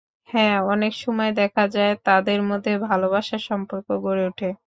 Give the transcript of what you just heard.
হ্যাঁ, অনেক সময় দেখা যায়, তাদের মধ্যে ভালোবাসার সম্পর্ক গড়ে ওঠে।